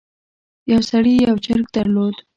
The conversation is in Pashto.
یو سړي یو چرګ درلود.